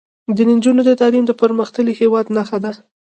د نجونو تعلیم د پرمختللي هیواد نښه ده.